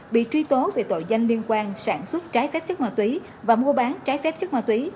bị truy tố về tội danh liên quan sản xuất trái phép chất ma túy và mua bán trái phép chất ma túy